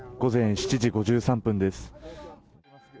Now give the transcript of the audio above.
午前７時５３分です。